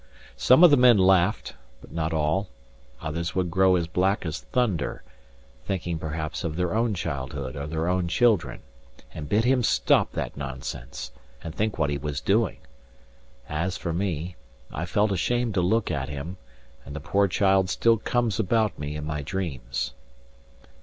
Some of the men laughed, but not all; others would grow as black as thunder (thinking, perhaps, of their own childhood or their own children) and bid him stop that nonsense, and think what he was doing. As for me, I felt ashamed to look at him, and the poor child still comes about me in my dreams.